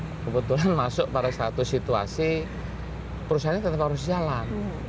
kebetulan masuk pada satu situasi perusahaannya tetap harus jalan